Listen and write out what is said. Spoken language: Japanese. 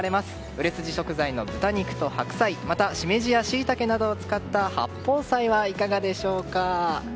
売れ筋食材の豚肉と白菜また、シメジやシイタケなどを使った八宝菜はいかがでしょうか。